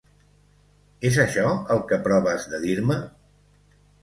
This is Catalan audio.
És això el que proves de dir-me?